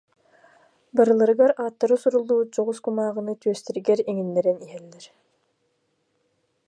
Барыларыгар ааттара суруллубут дьоҕус кумааҕыны түөстэригэр иҥиннэрэн иһэллэр